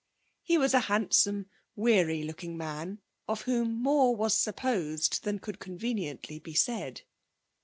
He was a handsome, weary looking man of whom more was supposed than could conveniently be said.